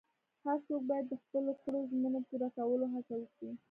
هر څوک باید د خپلو کړو ژمنو پوره کولو هڅه وکړي.